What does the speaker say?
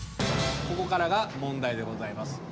ここからが問題でございます。